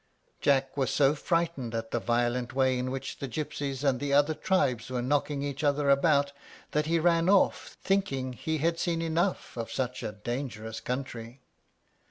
Jack was so frightened at the violent way in which the gypsies and the other tribes were knocking each other about, that he ran off, thinking he had seen enough of such a dangerous country.